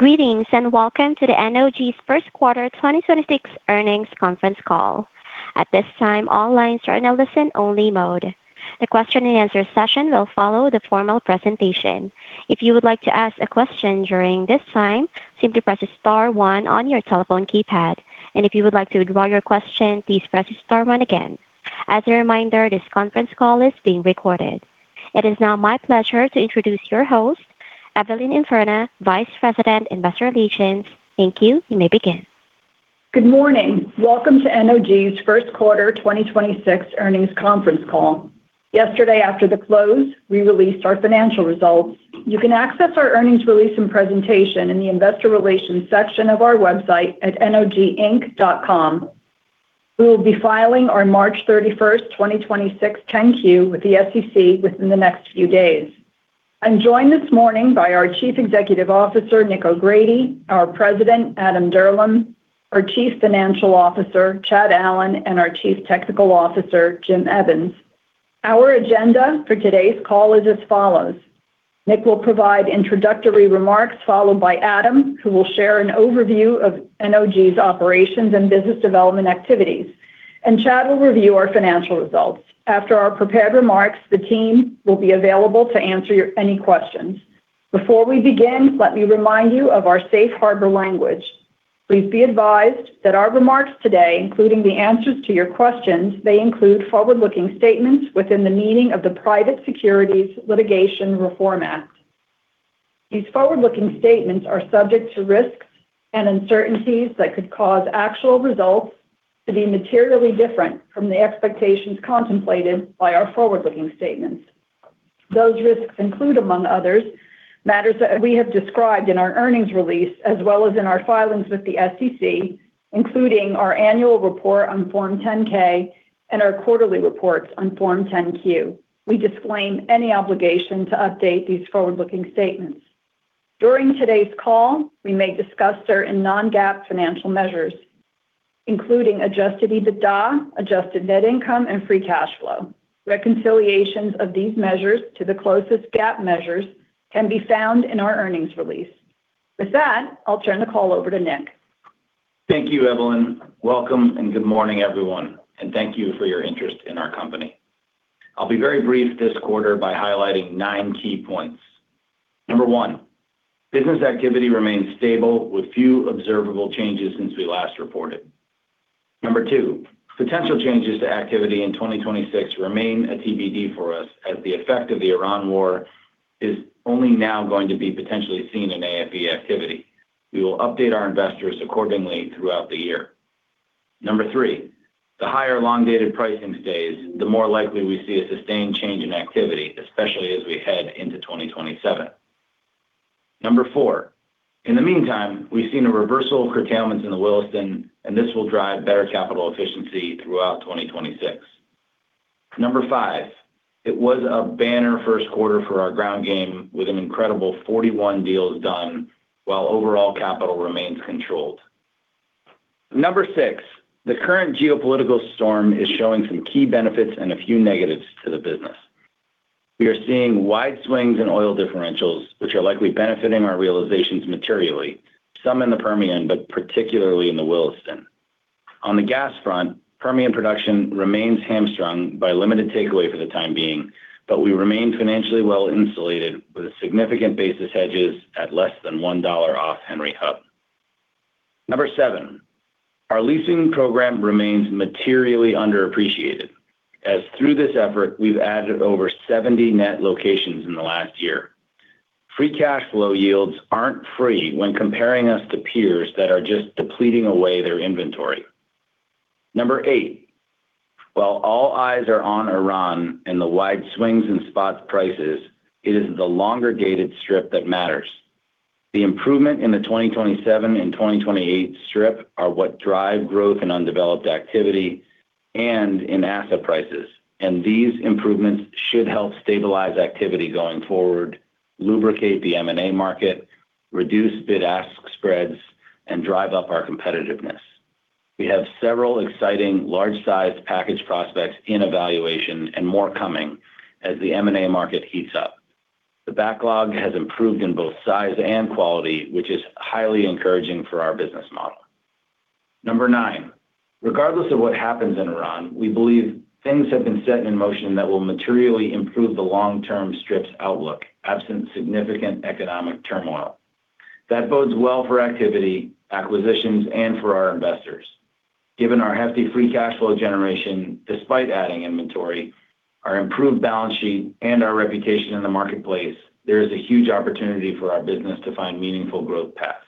Greetings, and welcome to the NOG's first quarter 2026 earnings conference call. It is now my pleasure to introduce your host, Evelyn Infurna, Vice President, Investor Relations. Thank you. You may begin. Good morning. Welcome to NOG's first quarter 2026 earnings conference call. Yesterday after the close, we released our financial results. You can access our earnings release and presentation in the investor relations section of our website at noginc.com. We will be filing our March 31, 2026 Form 10-Q with the SEC within the next few days. I'm joined this morning by our Chief Executive Officer, Nick O'Grady, our President, Adam Dirlam, our Chief Financial Officer, Chad Allen, and our Chief Technical Officer, James Evans. Our agenda for today's call is as follows. Nick will provide introductory remarks, followed by Adam, who will share an overview of NOG's operations and business development activities. Chad will review our financial results. After our prepared remarks, the team will be available to answer any questions. Before we begin, let me remind you of our safe harbor language. Please be advised that our remarks today, including the answers to your questions, may include forward-looking statements within the meaning of the Private Securities Litigation Reform Act. These forward-looking statements are subject to risks and uncertainties that could cause actual results to be materially different from the expectations contemplated by our forward-looking statements. Those risks include, among others, matters that we have described in our earnings release as well as in our filings with the SEC, including our annual report on Form 10-K and our quarterly reports on Form 10-Q. We disclaim any obligation to update these forward-looking statements. During today's call, we may discuss certain non-GAAP financial measures, including Adjusted EBITDA, Adjusted Net Income, and Free Cash Flow. Reconciliations of these measures to the closest GAAP measures can be found in our earnings release. With that, I'll turn the call over to Nick. Thank you, Evelyn. Welcome and good morning, everyone. Thank you for your interest in our company. I'll be very brief this quarter by highlighting nine key points. Number one. Business activity remains stable with few observable changes since we last reported. Number two. Potential changes to activity in 2026 remain a TBD for us as the effect of the Iran war is only now going to be potentially seen in AFE activity. We will update our investors accordingly throughout the year. Number three. The higher long-dated pricing stays, the more likely we see a sustained change in activity, especially as we head into 2027. Number four. In the meantime, we've seen a reversal of curtailments in the Williston. This will drive better capital efficiency throughout 2026. Number five, it was a banner first quarter for our ground game with an incredible 41 deals done while overall capital remains controlled. Number six, the current geopolitical storm is showing some key benefits and a few negatives to the business. We are seeing wide swings in oil differentials, which are likely benefiting our realizations materially, some in the Permian, but particularly in the Williston. On the gas front, Permian production remains hamstrung by limited takeaway for the time being, but we remain financially well insulated with significant basis hedges at less than $1 off Henry Hub. Number seven, our leasing program remains materially underappreciated, as through this effort, we've added over 70 net locations in the last year. Free Cash Flow yields aren't free when comparing us to peers that are just depleting away their inventory. Number eight, while all eyes are on Iran and the wide swings in spot prices, it is the longer-dated strip that matters. The improvement in the 2027 and 2028 strip are what drive growth in undeveloped activity and in asset prices. These improvements should help stabilize activity going forward, lubricate the M&A market, reduce bid-ask spreads, and drive up our competitiveness. We have several exciting large-sized package prospects in evaluation and more coming as the M&A market heats up. The backlog has improved in both size and quality, which is highly encouraging for our business model. Number nine, regardless of what happens in Iran, we believe things have been set in motion that will materially improve the long-term strip's outlook, absent significant economic turmoil. That bodes well for activity, acquisitions, and for our investors. Given our hefty Free Cash Flow generation despite adding inventory, our improved balance sheet, and our reputation in the marketplace, there is a huge opportunity for our business to find meaningful growth paths.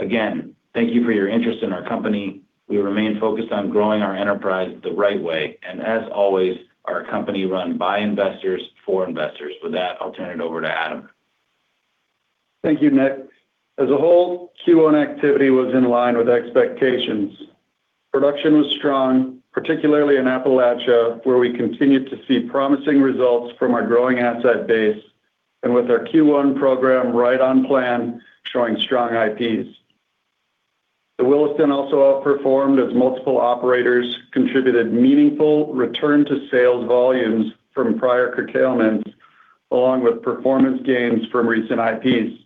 Again, thank you for your interest in our company. We remain focused on growing our enterprise the right way. As always, our company run by investors for investors. With that, I'll turn it over to Adam. Thank you, Nick. As a whole, Q1 activity was in line with expectations. Production was strong, particularly in Appalachia, where we continued to see promising results from our growing asset base and with our Q1 program right on plan, showing strong IPs. The Williston also outperformed as multiple operators contributed meaningful return to sales volumes from prior curtailments, along with performance gains from recent IPs.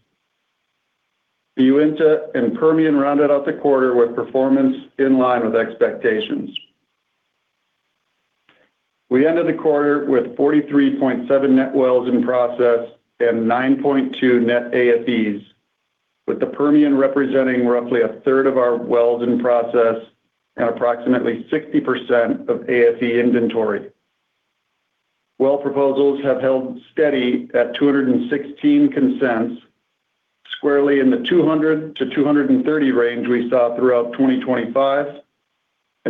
The Uinta and Permian rounded out the quarter with performance in line with expectations. We ended the quarter with 43.7 net wells in process and 9.2 net AFEs, with the Permian representing roughly a third of our wells in process and approximately 60% of AFE inventory. Well proposals have held steady at 216 consents, squarely in the 200-230 range we saw throughout 2025.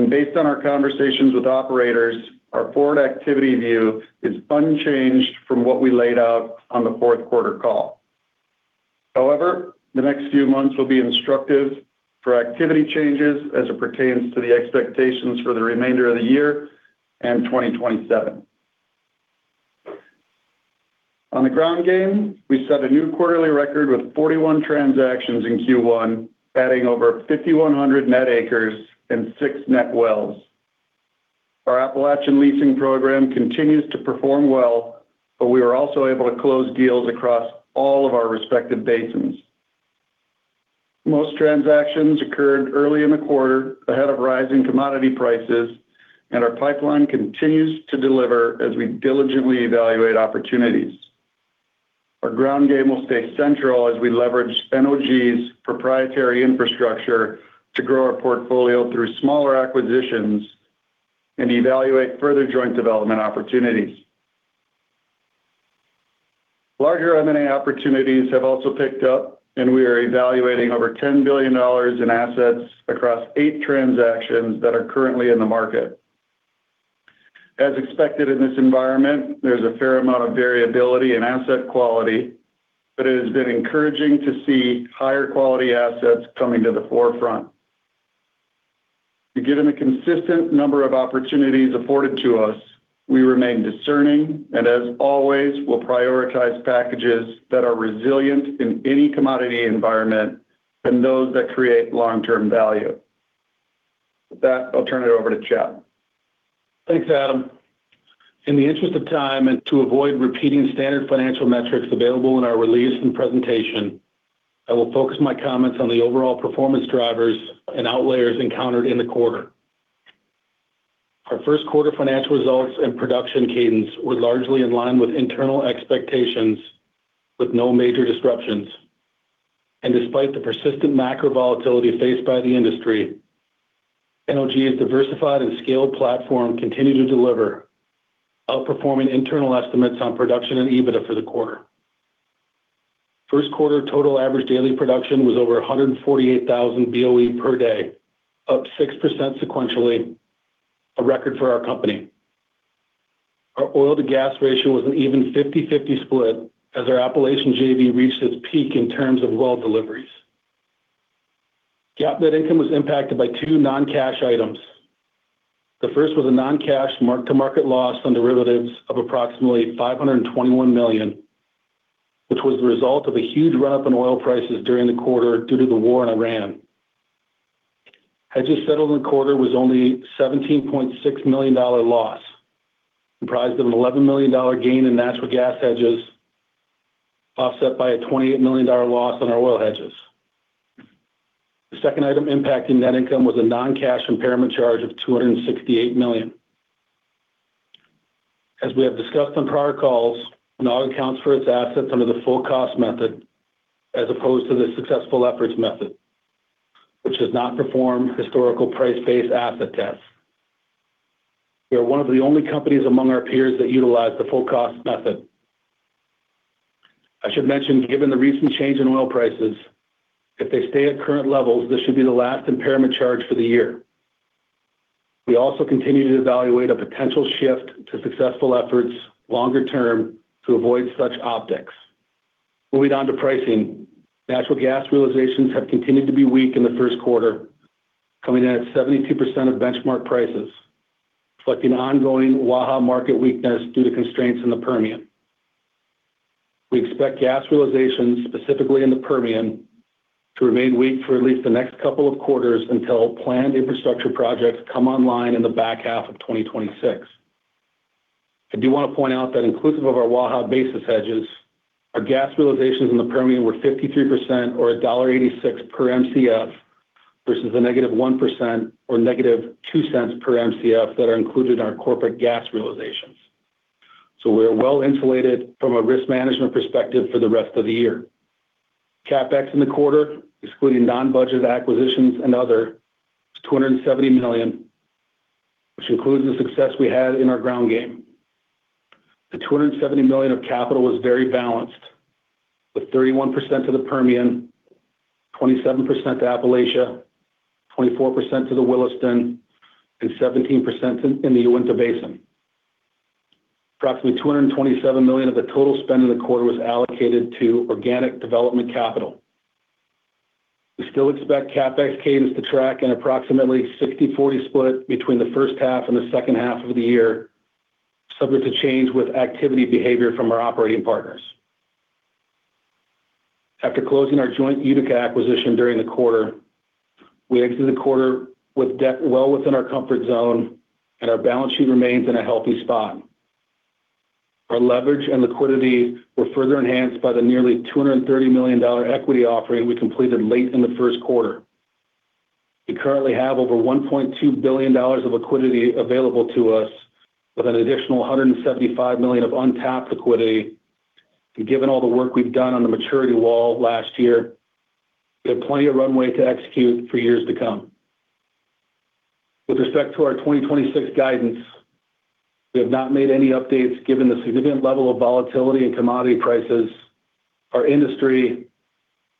Based on our conversations with operators, our forward activity view is unchanged from what we laid out on the fourth quarter call. However, the next few months will be instructive for activity changes as it pertains to the expectations for the remainder of the year and 2027. On the ground game, we set a new quarterly record with 41 transactions in Q1, adding over 5,100 net acres and 6 net wells. Our Appalachian leasing program continues to perform well, but we were also able to close deals across all of our respective basins. Most transactions occurred early in the quarter ahead of rising commodity prices, and our pipeline continues to deliver as we diligently evaluate opportunities. Our ground game will stay central as we leverage NOG's proprietary infrastructure to grow our portfolio through smaller acquisitions and evaluate further joint development opportunities. Larger M&A opportunities have also picked up, and we are evaluating over $10 billion in assets across eight transactions that are currently in the market. As expected in this environment, there's a fair amount of variability in asset quality, but it has been encouraging to see higher quality assets coming to the forefront. Given the consistent number of opportunities afforded to us, we remain discerning and, as always, will prioritize packages that are resilient in any commodity environment and those that create long-term value. With that, I'll turn it over to Chad. Thanks, Adam. To avoid repeating standard financial metrics available in our release and presentation, I will focus my comments on the overall performance drivers and outliers encountered in the quarter. Our first quarter financial results and production cadence were largely in line with internal expectations, with no major disruptions. Despite the persistent macro volatility faced by the industry. Energy's diversified and scaled platform continued to deliver, outperforming internal estimates on production and EBITDA for the quarter. First quarter total average daily production was over 148,000 BOE per day, up 6% sequentially. A record for our company. Our oil-to-gas ratio was an even 50/50 split as our Appalachian JV reached its peak in terms of well deliveries. GAAP net income was impacted by two non-cash items. The first was a non-cash mark to market loss on derivatives of approximately $521 million, which was the result of a huge run-up in oil prices during the quarter due to the war in Iran. Hedges settled in the quarter was only $17.6 million loss, comprised of an $11 million gain in natural gas hedges, offset by a $28 million loss on our oil hedges. The second item impacting net income was a non-cash impairment charge of $268 million. As we have discussed on prior calls, NOG accounts for its assets under the full cost method, as opposed to the successful efforts method, which does not perform historical price-based asset tests. We are one of the only companies among our peers that utilize the full cost method. I should mention, given the recent change in oil prices, if they stay at current levels, this should be the last impairment charge for the year. We also continue to evaluate a potential shift to successful efforts longer term to avoid such optics. Moving on to pricing. Natural gas realizations have continued to be weak in the first quarter, coming in at 72% of benchmark prices, reflecting ongoing Waha market weakness due to constraints in the Permian. We expect gas realizations, specifically in the Permian, to remain weak for at least the next couple of quarters until planned infrastructure projects come online in the back half of 2026. I do want to point out that inclusive of our Waha basis hedges, our gas realizations in the Permian were 53% or $1.86 per Mcf versus the -1% or -$0.02 per Mcf that are included in our corporate gas realizations. We are well insulated from a risk management perspective for the rest of the year. CapEx in the quarter, excluding non-budget acquisitions and other, is $270 million, which includes the success we had in our ground game. The $270 million of capital was very balanced, with 31% to the Permian, 27% to Appalachia, 24% to the Williston, and 17% in the Uinta Basin. Approximately $227 million of the total spend in the quarter was allocated to organic development capital. We still expect CapEx cadence to track in approximately 60/40 split between the first half and the second half of the year, subject to change with activity behavior from our operating partners. After closing our joint Utica acquisition during the quarter, we exited the quarter with debt well within our comfort zone. Our balance sheet remains in a healthy spot. Our leverage and liquidity were further enhanced by the nearly $230 million equity offering we completed late in the first quarter. We currently have over $1.2 billion of liquidity available to us with an additional $175 million of untapped liquidity. Given all the work we've done on the maturity wall last year, we have plenty of runway to execute for years to come. With respect to our 2026 guidance, we have not made any updates given the significant level of volatility in commodity prices, our industry,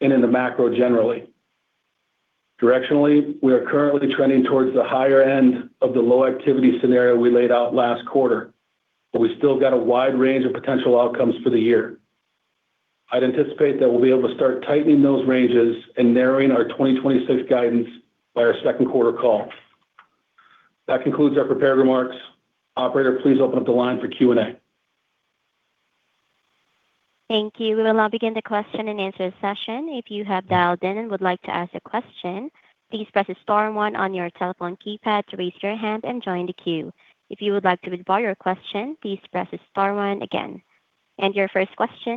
and in the macro generally. Directionally, we are currently trending towards the higher end of the low activity scenario we laid out last quarter, but we still got a wide range of potential outcomes for the year. I'd anticipate that we'll be able to start tightening those ranges and narrowing our 2026 guidance by our second quarter call. That concludes our prepared remarks. Operator, please open up the line for Q&A. Thank you. We will now begin the question and answer session. Your first question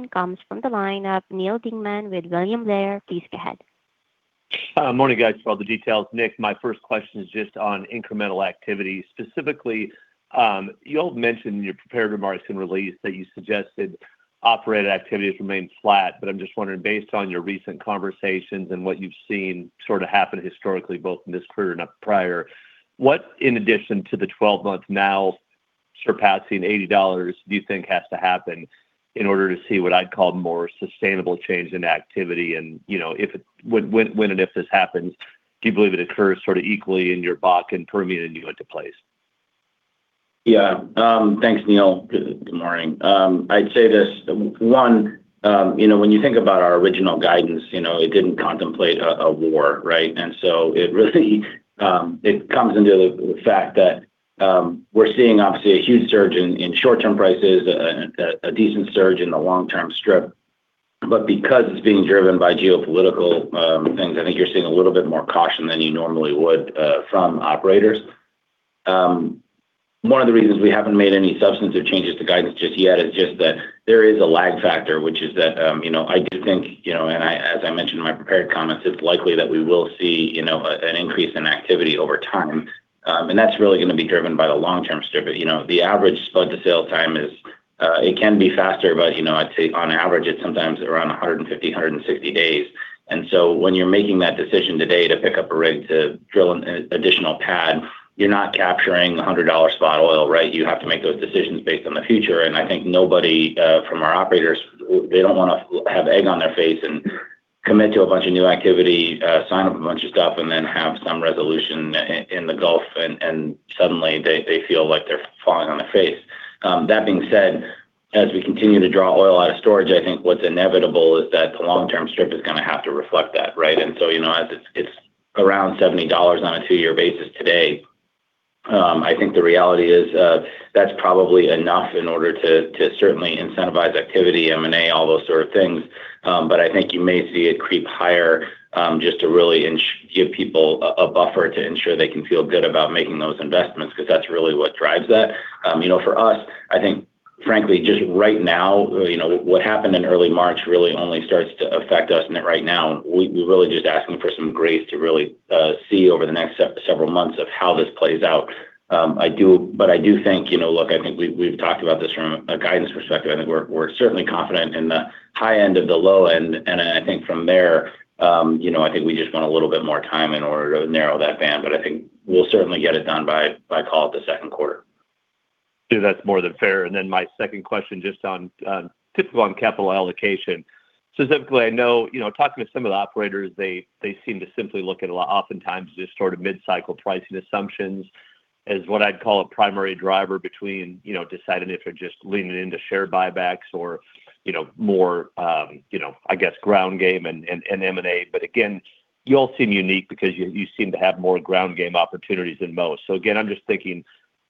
comes from the line of Neal Dingmann with William Blair. Please go ahead. Morning, guys, for all the details. Nick, my first question is just on incremental activity. Specifically, you all mentioned in your prepared remarks and release that you suggested operated activities remain flat, but I'm just wondering, based on your recent conversations and what you've seen sort of happen historically, both in this quarter and prior, what, in addition to the 12-month now surpassing $80, do you think has to happen in order to see what I'd call more sustainable change in activity? You know, when and if this happens, do you believe it occurs sort of equally in your Bakken, Permian, and Eagle Ford Play? Yeah. Thanks, Neal. Good morning. I'd say this. One, you know, when you think about our original guidance, you know, it didn't contemplate a war, right? It really comes into the fact that we're seeing obviously a huge surge in short-term prices, a decent surge in the long-term strip. Because it's being driven by geopolitical things, I think you're seeing a little bit more caution than you normally would from operators. One of the reasons we haven't made any substantive changes to guidance just yet is just that there is a lag factor, which is that, you know, I do think, you know, as I mentioned in my prepared comments, it's likely that we will see, you know, an increase in activity over time. That's really gonna be driven by the long-term strip. You know, the average spud to sale time is, it can be faster, but, you know, I'd say on average, it's sometimes around 150, 160 days. When you're making that decision today to pick up a rig to drill an additional pad, you're not capturing the $100 spot oil, right? You have to make those decisions based on the future. I think nobody from our operators, they don't wanna have egg on their face and commit to a bunch of new activity, sign up a bunch of stuff, and then have some resolution in the Gulf, and suddenly they feel like they're falling on their face. That being said, as we continue to draw oil out of storage, I think what's inevitable is that the long-term strip is gonna have to reflect that, right? You know, as it's around $70 on a two-year basis today, I think the reality is, that's probably enough in order to certainly incentivize activity, M&A, all those sort of things. I think you may see it creep higher, just to really give people a buffer to ensure they can feel good about making those investments, because that's really what drives that. You know, for us, I think frankly, just right now, you know, what happened in early March really only starts to affect us right now. We're really just asking for some grace to really see over the next several months of how this plays out. I do think, you know, look, I think we've talked about this from a guidance perspective. I think we're certainly confident in the high end of the low end. I think from there, you know, I think we just want a little bit more time in order to narrow that band. I think we'll certainly get it done by call it the second quarter. Yeah, that's more than fair. My second question, just on, typically on capital allocation. Specifically, I know, you know, talking to some of the operators, they seem to simply look at a lot, oftentimes just sort of mid-cycle pricing assumptions as what I'd call a primary driver between, you know, deciding if they're just leaning into share buybacks or, you know, more, you know, I guess ground game and M&A. Again, you all seem unique because you seem to have more ground game opportunities than most. Again, I'm just thinking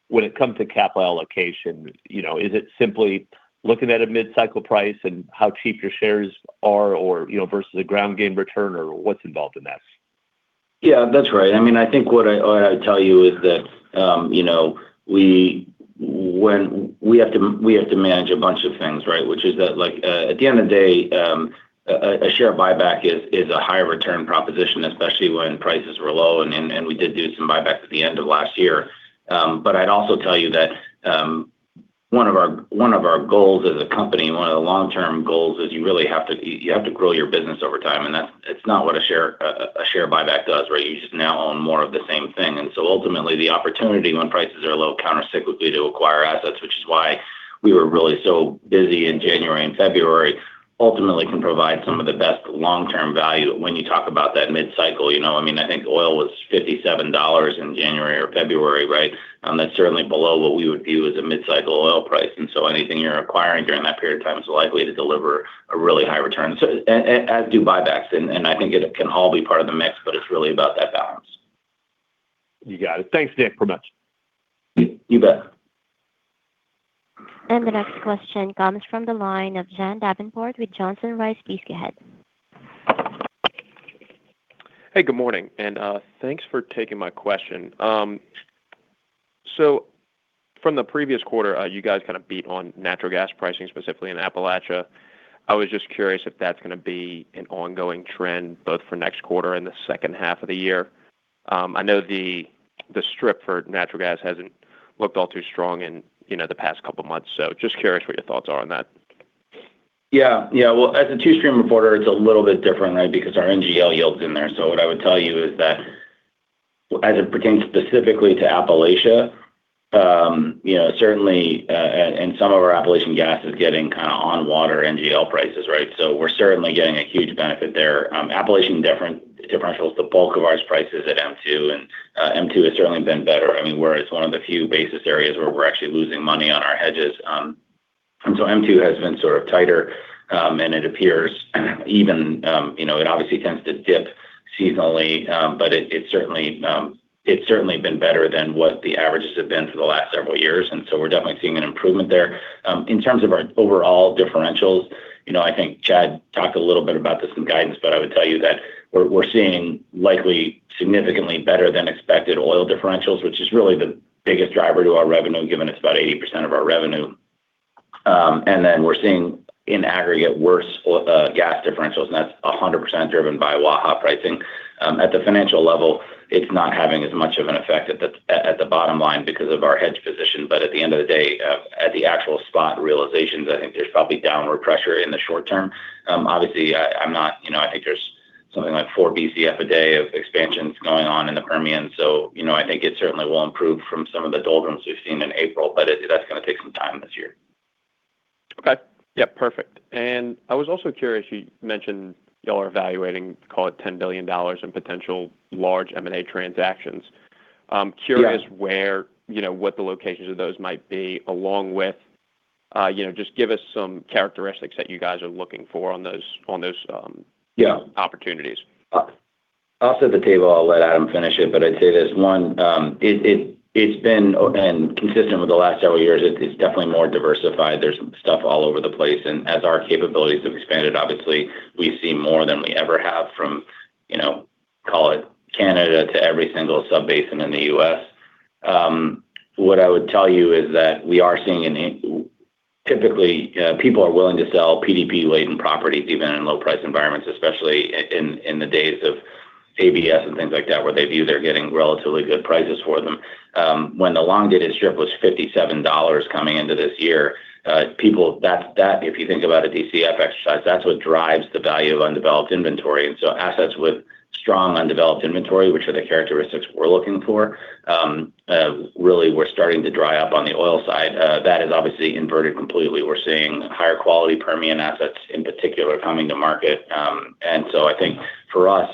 when it comes to capital allocation, you know, is it simply looking at a mid-cycle price and how cheap your shares are or, you know, versus a ground game return or what's involved in that? Yeah, that's right. I mean, I think what I, what I'd tell you is that, you know, we have to manage a bunch of things, right? Like, at the end of the day, a share buyback is a higher return proposition, especially when prices were low, and we did do some buybacks at the end of last year. I'd also tell you that one of our goals as a company, one of the long-term goals is you really have to grow your business over time, it's not what a share buyback does, right? You just now own more of the same thing. Ultimately, the opportunity when prices are low countercyclically to acquire assets, which is why we were really so busy in January and February, ultimately can provide some of the best long-term value when you talk about that mid-cycle. You know, I mean, I think oil was $57 in January or February, right? That's certainly below what we would view as a mid-cycle oil price. Anything you're acquiring during that period of time is likely to deliver a really high return. As do buybacks, and I think it can all be part of the mix, but it's really about that balance. You got it. Thanks Nick, very much. You bet. The next question comes from the line of John Davenport with Johnson Rice. Please go ahead. Good morning, and thanks for taking my question. From the previous quarter, you guys kind of beat on natural gas pricing, specifically in Appalachia. I was just curious if that's going to be an ongoing trend both for next quarter and the second half of the year. I know the strip for natural gas hasn't looked all too strong in, you know, the past couple months. Just curious what your thoughts are on that. Yeah. Yeah. Well, as a two-stream reporter, it's a little bit different, right? Because our NGL yields in there. What I would tell you is that as it pertains specifically to Appalachia, you know, certainly, and some of our Appalachian gas is getting kind of on water NGL prices, right? We're certainly getting a huge benefit there. Appalachian differential is the bulk of our prices at M2, and M2 has certainly been better. I mean, it's one of the few basis areas where we're actually losing money on our hedges. M2 has been sort of tighter. It appears even, you know, it obviously tends to dip seasonally. It's certainly been better than what the averages have been for the last several years, we're definitely seeing an improvement there. In terms of our overall differentials, you know, I think Chad talked a little bit about this in guidance, I would tell you that we're seeing likely significantly better than expected oil differentials, which is really the biggest driver to our revenue, giving us about 80% of our revenue. We're seeing in aggregate worse oil gas differentials, and that's 100% driven by Waha pricing. At the financial level, it's not having as much of an effect at the bottom line because of our hedge position. At the end of the day, at the actual spot realizations, I think there's probably downward pressure in the short term. Obviously, I'm not, you know, I think there's something like 4 BCF a day of expansions going on in the Permian. You know, I think it certainly will improve from some of the doldrums we've seen in April, but that's going to take some time this year. Okay. Yeah, perfect. I was also curious, you mentioned y'all are evaluating, call it $10 billion in potential large M&A transactions. I'm curious where, you know, what the locations of those might be, along with, you know, just give us some characteristics that you guys are looking for on those opportunities? Off the table, I'll let Adam finish it, but I'd say there's one. Consistent with the last several years, it's definitely more diversified. There's stuff all over the place. As our capabilities have expanded, obviously we've seen more than we ever have from, you know, call it Canada to every single sub basin in the U.S. What I would tell you is that we are seeing typically, people are willing to sell PDP-laden properties even in low price environments, especially in the days of ABS and things like that, where they view they're getting relatively good prices for them. When the long dated strip was $57 coming into this year, if you think about a DCF exercise, that's what drives the value of undeveloped inventory. Assets with strong undeveloped inventory, which are the characteristics we're looking for, really were starting to dry up on the oil side. That has obviously inverted completely. We're seeing higher quality Permian assets, in particular, coming to market. I think for us,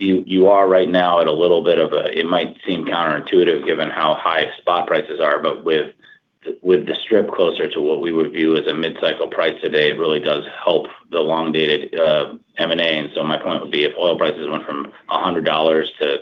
you are right now at a little bit of a. It might seem counterintuitive given how high spot prices are, but with the strip closer to what we would view as a mid-cycle price today, it really does help the long-dated M&A. My point would be if oil prices went from $100 to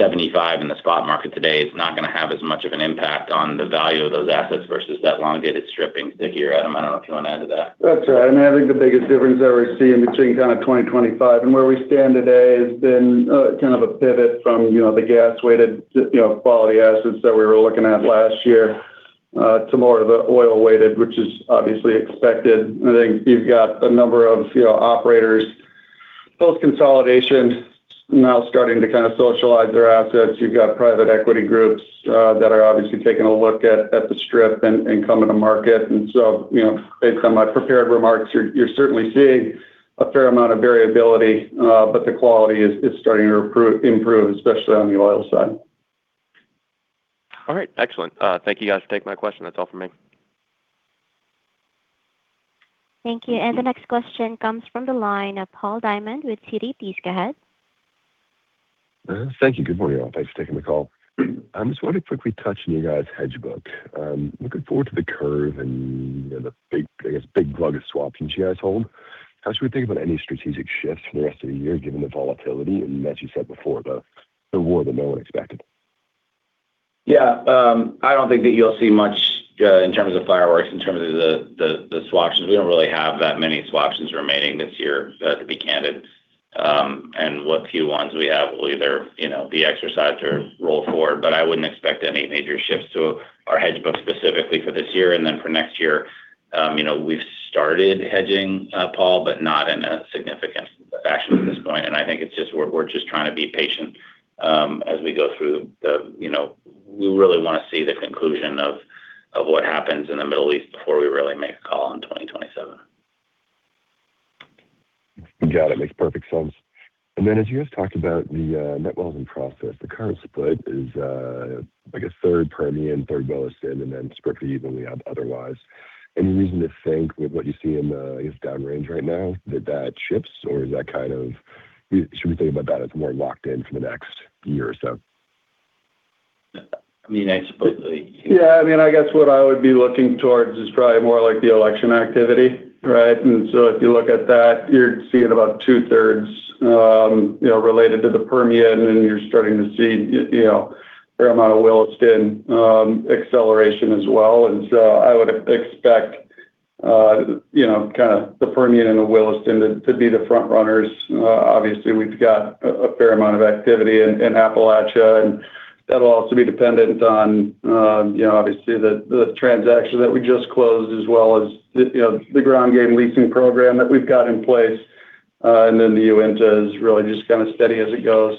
$75 in the spot market today, it's not gonna have as much of an impact on the value of those assets versus that long-dated stripping. Take it away, Adam. I don't know if you want to add to that. That's right. I mean, I think the biggest difference that we're seeing between kind of 2025 and where we stand today has been, kind of a pivot from, you know, the gas-weighted, you know, quality assets that we were looking at last year, to more of the oil-weighted, which is obviously expected. I think you've got a number of, you know, operators, both consolidation now starting to kind of socialize their assets. You've got private equity groups that are obviously taking a look at the strip and coming to market. You know, based on my prepared remarks, you're certainly seeing a fair amount of variability. The quality is starting to improve, especially on the oil side. All right. Excellent. Thank you guys for taking my question. That's all for me. Thank you. The next question comes from the line of Paul Diamond with Citi. Please go ahead. Thank you. Good morning, all. Thanks for taking the call. I'm just wanting to quickly touch on you guys' hedge book. Looking forward to the curve and, you know, the big, I guess, big slug of swaps you guys hold. How should we think about any strategic shifts for the rest of the year, given the volatility and as you said before, the war that no one expected? Yeah. I don't think that you'll see much in terms of fireworks in terms of the swaptions. We don't really have that many swaptions remaining this year to be candid. What few ones we have will either, you know, be exercised or roll forward. I wouldn't expect any major shifts to our hedge book specifically for this year and then for next year. You know, we've started hedging, Paul, but not in a significant fashion at this point. I think it's just we're just trying to be patient, as we go through the, you know, we really wanna see the conclusion of what happens in the Middle East before we really make a call on 2027. Got it. Makes perfect sense. As you guys talked about the net wells in process, the current split is like a third Permian, third Williston, and then Spraberry even we have otherwise. Any reason to think with what you see in the down range right now that that shifts, or should we think about that as more locked in for the next year or so? I mean, I suppose. Yeah, I mean, I guess what I would be looking towards is probably more like the election activity, right? If you look at that, you're seeing about two-thirds, you know, related to the Permian, and you're starting to see, you know, a fair amount of Williston acceleration as well. I would expect, you know, kinda the Permian and the Williston to be the front runners. Obviously we've got a fair amount of activity in Appalachia, and that'll also be dependent on, you know, obviously the transaction that we just closed as well as the, you know, the ground game leasing program that we've got in place. The Uinta is really just kinda steady as it goes.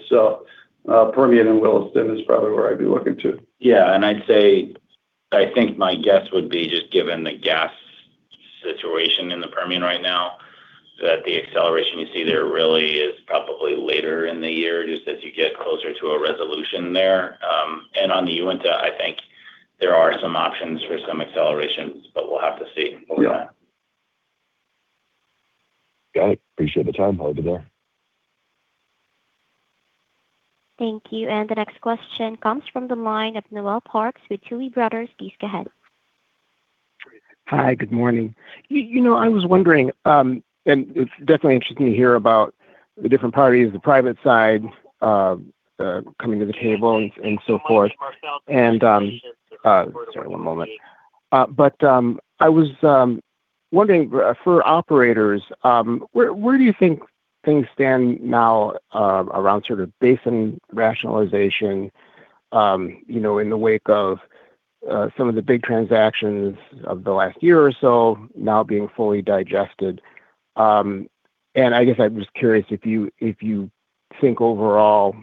Permian and Williston is probably where I'd be looking to. Yeah. I'd say, I think my guess would be just given the gas situation in the Permian right now, that the acceleration you see there really is probably later in the year, just as you get closer to a resolution there. On the Uinta, I think there are some options for some accelerations, but we'll have to see where we're at. Got it. Appreciate the time. Over to you. Thank you. The next question comes from the line of Noel Parks with Tuohy Brothers. Please, go ahead. Hi. Good morning. You know, I was wondering, and it's definitely interesting to hear about the different parties, the private side, coming to the table and so forth. Sorry, one moment. I was wondering, for operators, where do you think things stand now, around sort of basin rationalization, you know, in the wake of some of the big transactions of the last year or so now being fully digested? I guess I'm just curious if you think overall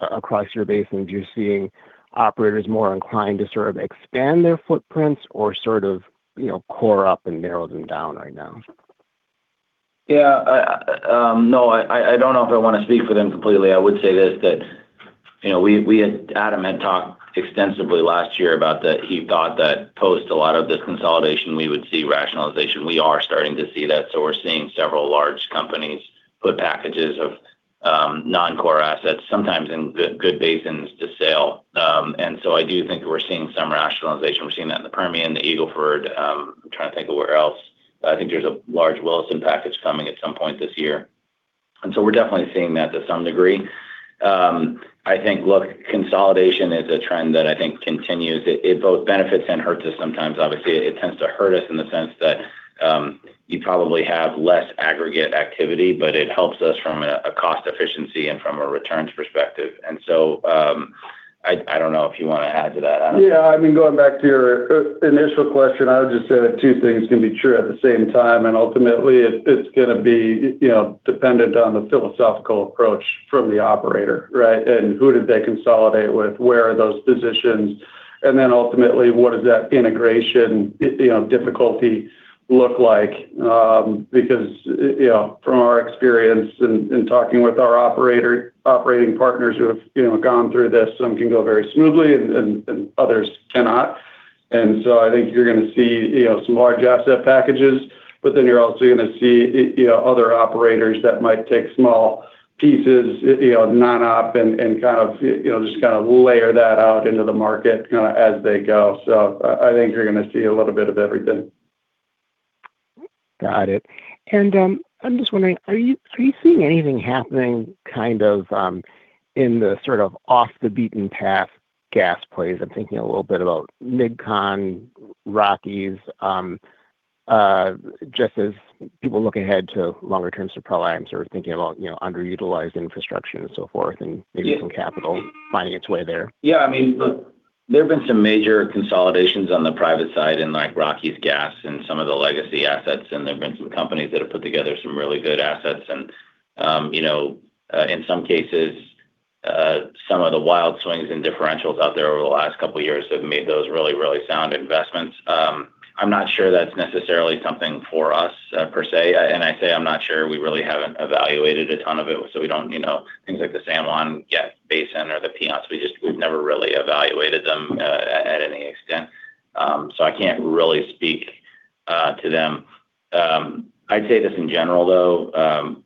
across your basins you're seeing operators more inclined to sort of expand their footprints or sort of, you know, core up and narrow them down right now. No, I don't know if I wanna speak for them completely. I would say this, that, you know, Adam had talked extensively last year about that he thought that post a lot of this consolidation, we would see rationalization. We are starting to see that. We're seeing several large companies put packages of non-core assets, sometimes in good basins to sell. I do think we're seeing some rationalization. We're seeing that in the Permian, the Eagle Ford. I'm trying to think of where else. I think there's a large Williston package coming at some point this year. We're definitely seeing that to some degree. I think, look, consolidation is a trend that I think continues. It both benefits and hurts us sometimes. Obviously, it tends to hurt us in the sense that, you probably have less aggregate activity, but it helps us from a cost efficiency and from a returns perspective. I don't know if you wanna add to that, Adam. I mean, going back to your initial question, I would just say that two things can be true at the same time, and ultimately it's gonna be, you know, dependent on the philosophical approach from the operator, right? Who did they consolidate with? Where are those positions? Ultimately, what does that integration, you know, difficulty look like? Because, you know, from our experience in talking with our operator, operating partners who have, you know, gone through this, some can go very smoothly and others cannot. I think you're gonna see, you know, some large asset packages, you're also gonna see, you know, other operators that might take small pieces, you know, non-op and kind of, you know, just kinda layer that out into the market, you know, as they go. I think you're going to see a little bit of everything. Got it. I'm just wondering, are you seeing anything happening kind of, in the sort of off the beaten path gas plays? I'm thinking a little bit about MidCon, Rockies, just as people looking ahead to longer-term supply and sort of thinking about, you know, underutilized infrastructure and so forth, and maybe some capital finding its way there. Yeah. I mean, look, there have been some major consolidations on the private side in like Rockies Gas and some of the legacy assets, and there have been some companies that have put together some really good assets. You know, in some cases, some of the wild swings and differentials out there over the last couple of years have made those really, really sound investments. I'm not sure that's necessarily something for us, per se. I say I'm not sure, we really haven't evaluated a ton of it. You know, things like the San Juan Gas Basin or the Piceance, we've never really evaluated them, at any extent. I can't really speak to them. I'd say this in general, though.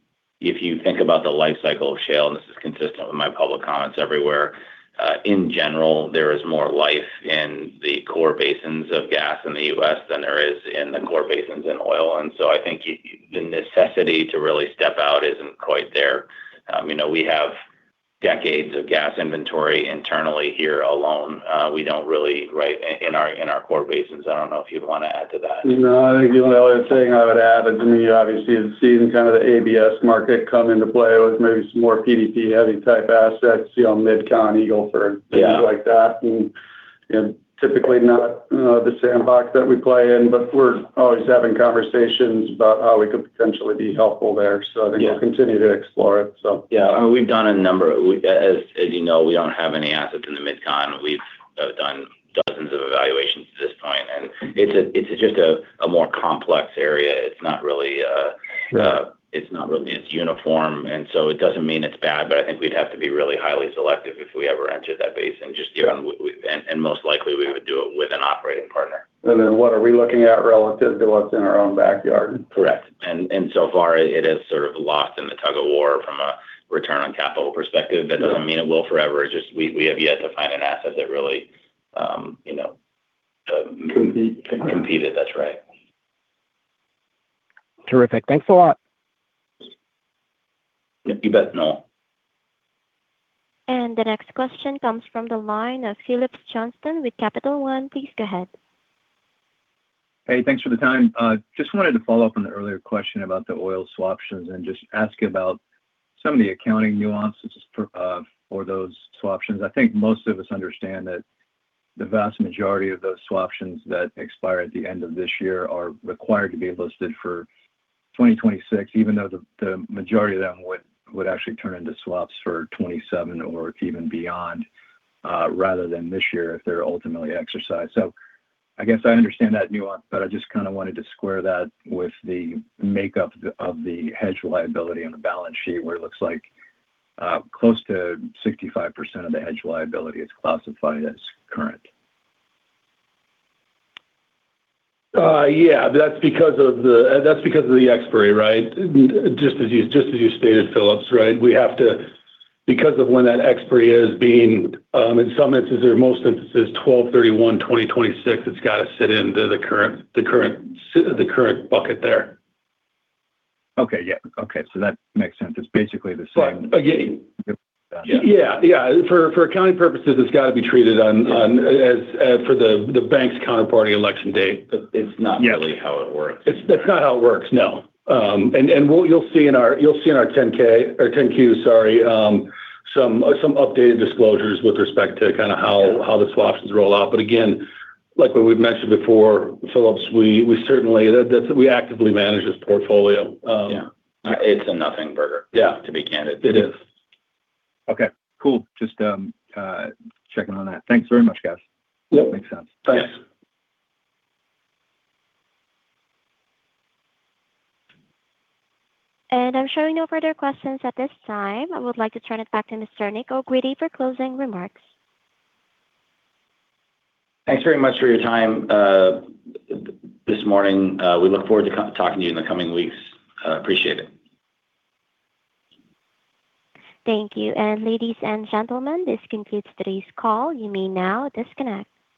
If you think about the life cycle of shale, and this is consistent with my public comments everywhere, in general, there is more life in the core basins of gas in the U.S. than there is in the core basins in oil. I think the necessity to really step out isn't quite there. You know, we have decades of gas inventory internally here alone. We don't really. Right? In our core basins. I don't know if you'd want to add to that. I think the only other thing I would add is, you know, obviously the season, kind of the ABS market come into play with maybe some more PDP-heavy type assets, you know, MidCon, Eagle Ford. Yeah. Things like that. You know, typically not the sandbox that we play in, but we're always having conversations about how we could potentially be helpful there. I think we'll continue to explore it. Yeah. I mean, as you know, we don't have any assets in the MidCon. We've done dozens of evaluations at this point. It's just a more complex area. It's not really. It's not really as uniform. It doesn't mean it's bad, but I think we'd have to be really highly selective if we ever entered that basin, just given. Most likely we would do it with an operating partner. What are we looking at relative to what's in our own backyard? Correct. So far it is sort of lost in the tug-of-war from a return on capital perspective. That doesn't mean it will forever. It's just we have yet to find an asset that really, you know. Compete. Compete it. That's right. Terrific. Thanks a lot. You bet, Noel. The next question comes from the line of Phillips Johnston with Capital One. Please go ahead. Thanks for the time. Just wanted to follow up on the earlier question about the oil swaptions and just ask about some of the accounting nuances for those swaptions. I think most of us understand that the vast majority of those swaptions that expire at the end of this year are required to be listed for 2026, even though the majority of them would actually turn into swaps for 2027 or even beyond, rather than this year if they're ultimately exercised. I guess I understand that nuance, but I just kinda wanted to square that with the makeup of the hedge liability on the balance sheet, where it looks like close to 65% of the hedge liability is classified as current. Yeah. That's because of the expiry, right? Just as you stated, Phillips, right? Because of when that expiry is being, in some instances or most instances, 12/31/2026, it's gotta sit into the current bucket there. Okay. Yeah. Okay. That makes sense. It's basically the same. Yeah. Yeah. Yeah. For accounting purposes, it's gotta be treated on, as for the bank's counterparty election date. It's not. Really how it works. It's, that's not how it works, no. What you'll see in our, you'll see in our 10-K or 10-Q, sorry, some updated disclosures with respect to how the swaptions roll out. Again, like what we've mentioned before, Phillips, we certainly actively manage this portfolio. Yeah. It's a nothing burger to be candid. It is. Okay, cool. Just checking on that. Thanks very much, guys. Yep. Makes sense. Thanks. I'm showing no further questions at this time. I would like to turn it back to Mr. Nick O'Grady for closing remarks. Thanks very much for your time, this morning. We look forward to talking to you in the coming weeks. Appreciate it. Thank you. Ladies and gentlemen, this concludes today's call. You may now disconnect.